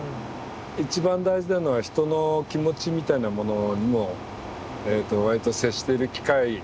一番大事なのは人の気持ちみたいなものにもわりと接している機会が多い。